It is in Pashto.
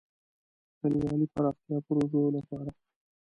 د کلیوالي پراختیا پروژې لپاره.